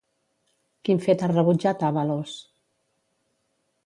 Quin fet ha rebutjat Ábalos?